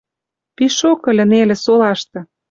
Пишок ыльы нелӹ солашты.